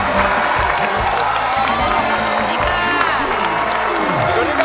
สวัสดีค่ะ